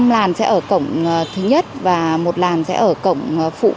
một làn ở cổng thứ nhất và một làn sẽ ở cổng phụ